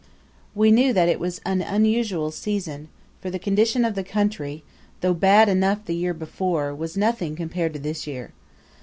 We knew that it was an unusual season, for the condition of the country, though bad enough the year before, was as nothing compared to this year.